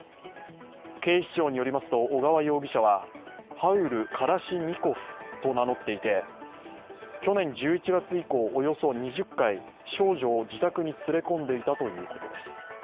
警視庁によりますと小川容疑者はハウル・カラシニコフと名乗っていて去年１１月以降、およそ２０回少女を自宅に連れ込んでいたということです。